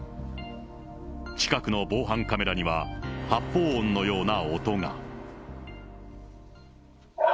近くの防犯カメラには、発砲音のような音が。